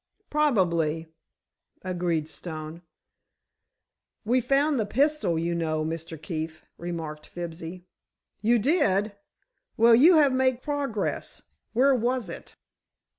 "Probably," agreed Stone. "We found the pistol, you know, Mr. Keefe," remarked Fibsy. "You did! Well, you have made progress. Where was it?"